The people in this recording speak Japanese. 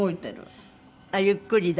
あっゆっくりだ。